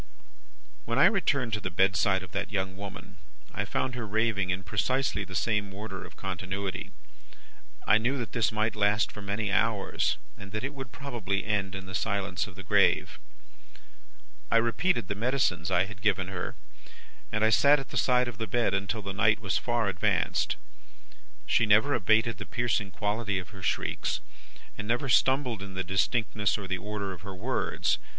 "When I returned to the bedside of the young woman, I found her raving in precisely the same order of continuity. I knew that this might last for many hours, and that it would probably end in the silence of the grave. "I repeated the medicines I had given her, and I sat at the side of the bed until the night was far advanced. She never abated the piercing quality of her shrieks, never stumbled in the distinctness or the order of her words.